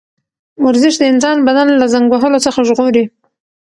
ورزش د انسان بدن له زنګ وهلو څخه ژغوري.